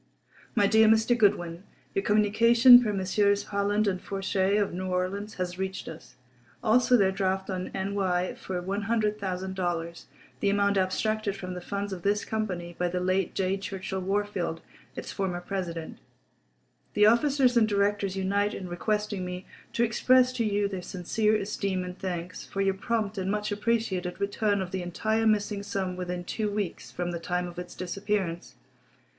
_ My Dear Mr. Goodwin:—Your communication per Messrs. Howland and Fourchet, of New Orleans, has reached us. Also their draft on N. Y. for $100,000, the amount abstracted from the funds of this company by the late J. Churchill Wahrfield, its former president. … The officers and directors unite in requesting me to express to you their sincere esteem and thanks for your prompt and much appreciated return of the entire missing sum within two weeks from the time of its disappearance.